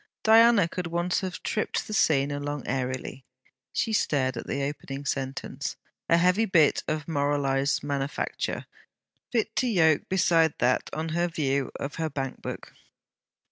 Diana could once have tripped the scene along airily. She stared at the opening sentence, a heavy bit of moralized manufacture, fit to yoke beside that on her view of her bank book.